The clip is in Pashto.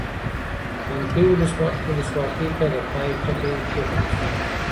تنکۍ ولسواکۍ ته د پای ټکی کېښودل سو.